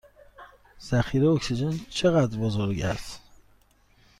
ذخیره اکسیژن چه قدر بزرگ است؟